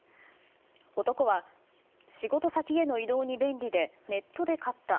男は仕事先への移動に便利で、ネットで買った。